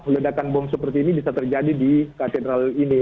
ledakan bom seperti ini bisa terjadi di katedral ini